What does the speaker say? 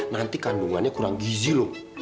nanti kandungannya kurang gizi loh